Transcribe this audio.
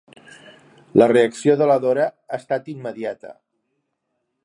La reacció de la Dora ha estat immediata.